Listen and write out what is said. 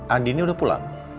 andinnya udah pulang